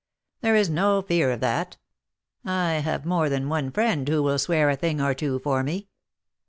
There is no fear of that — I have more than one friend who will swear a thing or two for me.